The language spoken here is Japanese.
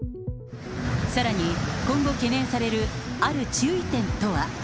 さらに、今後懸念されるある注意点とは。